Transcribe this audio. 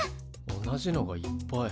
同じのがいっぱい。